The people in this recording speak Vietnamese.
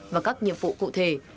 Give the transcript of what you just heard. và các nhiệm vụ cụ thể